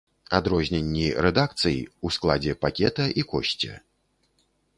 Адрозненні рэдакцый ў складзе пакета і кошце.